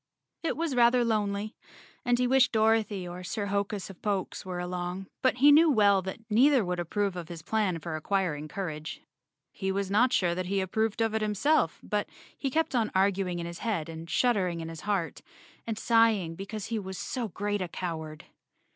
It was rather lonely, and he wished Dorothy or Sir Hokus of Pokes were along, but he well knew that neither would approve of his plan for acquiring cour¬ age. He was not sure that he approved of it himself, but he kept on arguing in his head and shuddering in his heart, and sighing because he was so great a cow¬ ard.